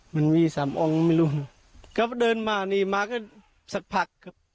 มันมีสามองค์ไม่รู้ก็เดินมานี่มาก็สักพักครับ